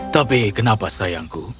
tapi kenapa sayangku